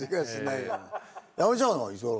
やめちゃうの？居候。